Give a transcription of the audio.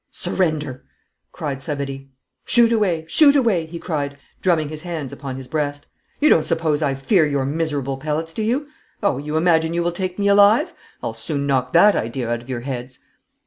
'Surrender!' cried Savary. 'Shoot away! Shoot away!' he cried, drumming his hands upon his breast. 'You don't suppose I fear your miserable pellets, do you? Oh, you imagine you will take me alive! I'll soon knock that idea out of your heads.'